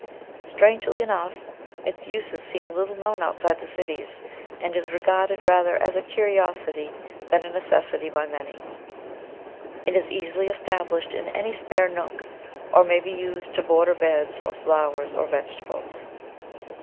Strangely enough, its use seems little known out side the cities, and is regarded rather as a curiosity than a necessit}? by many. It is easily established in any spare nook, or may be used to border beds of flowers or vegetables.